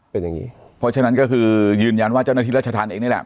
เป็นอย่างงี้เพราะฉะนั้นก็คือยืนยันว่าเจ้าหน้าที่รัชธรรมเองนี่แหละ